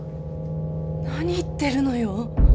何言ってるのよ。